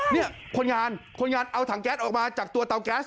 เนี่ยคนงานคนงานเอาถังแก๊สออกมาจากตัวเตาแก๊ส